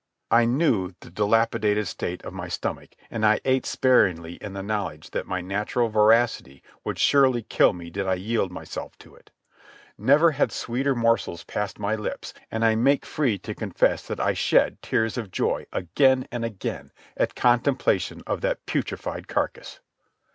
I knew the debilitated state of my stomach, and I ate sparingly in the knowledge that my natural voracity would surely kill me did I yield myself to it. Never had sweeter morsels passed my lips, and I make free to confess that I shed tears of joy, again and again, at contemplation of that putrefied carcass.